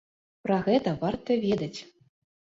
Пра гэта варта ведаць.